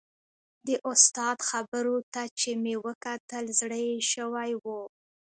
د استاد خبرو ته چې مې وکتل زړه یې شوی و.